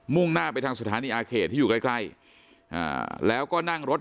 ่งหน้าไปทางสถานีอาเขตที่อยู่ใกล้ใกล้แล้วก็นั่งรถ